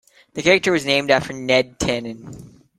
The character was named after Ned Tanen.